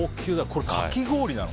これかき氷なの？